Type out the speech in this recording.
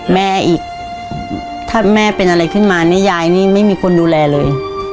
แม่อีกถ้าแม่เป็นอะไรขึ้นมานี่ยายนี่ไม่มีคนดูแลเลย